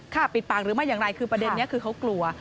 ปิดปากหรือไม่อย่างไรคือประเด็นนี้คือเขากลัว